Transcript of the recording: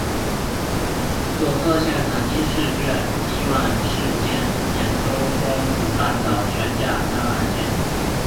佐贺县唐津市至伊万里市间沿东松浦半岛玄界滩而建。